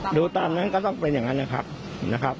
หรือตามก็ต้องเป็นอย่างงั้นนะครับ